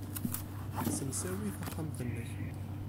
Ssemsawi taxxamt-nnek.